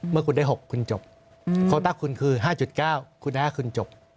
เมื่อคุณได้๖คุณจบโคต้าคุณคือ๕๙คุณ๕คุณจบ